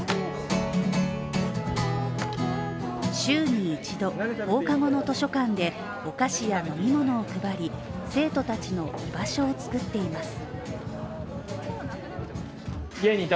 週一度、放課後の図書館で、お菓子や飲み物を配り生徒たちの居場所を作っています。